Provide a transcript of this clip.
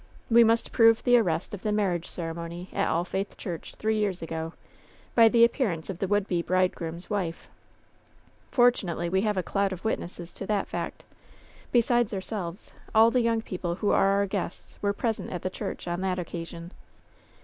We must prove the arrest of the marriage ceremony at All Faith Church, three years ago, by the appearance of the would be bride groom's wife* Fortunately we have 'a cloud of wit nesses' to that fact. Besides ourselves, all the young people who are our guests were present at the church on that occasion.